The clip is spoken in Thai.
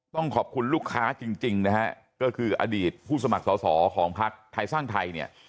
ต้องขอบคุณลูกค้าจริงนะฮะก็คืออดีตผู้สมัครสอสอของพักไทยสร้างไทยเนี่ย